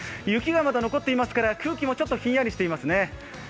雪がまだ残っていますから空気もひんやりしていますね。